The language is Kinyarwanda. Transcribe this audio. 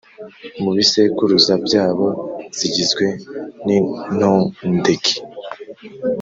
mu bisekuruza byabo zigizwe n’intondeke